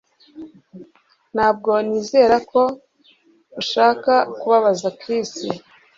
Ntabwo nizera ko ushaka kubabaza Chris